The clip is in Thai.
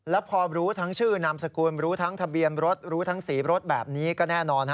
แล้วพอรู้ทั้งชื่อนามสกุลรู้ทั้งทะเบียนรถรู้ทั้งสีรถแบบนี้ก็แน่นอน